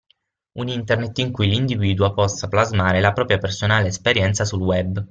Un Internet in cui l'individuo possa plasmare la propria personale esperienza sul Web.